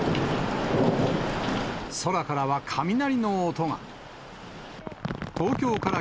空からは雷の音が。